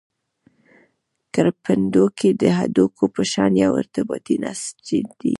کرپندوکي د هډوکو په شان یو ارتباطي نسج دي.